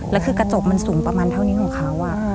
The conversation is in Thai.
แล้วคือกระจกมันสูงประมาณเท่านี้ของเขา